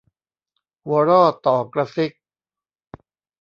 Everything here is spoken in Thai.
หัวร่อต่อกระซิก